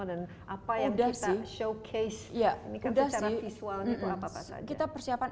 dan apa yang kita showcase secara visual apa saja